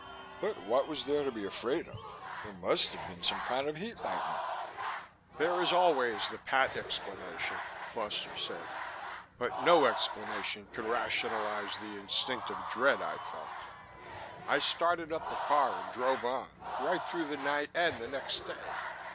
"But what was there to be afraid of? It must have been some kind of heat lightning." "There is always the pat explanation," Foster said. "But no explanation can rationalize the instinctive dread I felt. I started up the car and drove on right through the night and the next day.